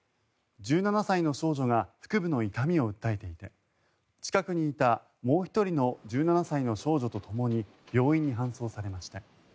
１７歳の少女が腹部の痛みを訴えていて近くにいたもう１人の１７歳の少女とともに病院に搬送されました。